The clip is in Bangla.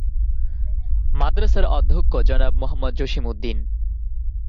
মাদ্রাসার অধ্যক্ষ জনাব মোহাম্মদ জসিম উদ্দীন।